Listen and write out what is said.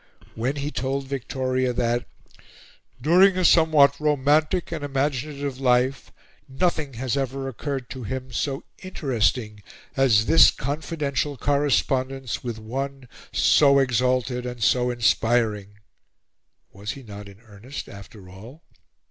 When he told Victoria that "during a somewhat romantic and imaginative life, nothing has ever occurred to him so interesting as this confidential correspondence with one so exalted and so inspiring," was he not in earnest after all?